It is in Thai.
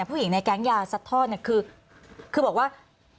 ผู้หญิงในแก๊งยาซัดทอดเนี่ยคือบอกว่า